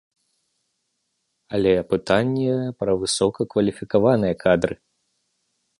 Але пытанне пра высокакваліфікаваныя кадры.